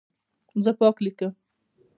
زه پاک لیکم.